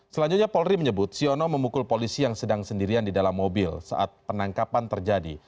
selanjutnya polri menyebut siono memukul polisi yang sedang sendirian di dalam mobil saat penangkapan terjadi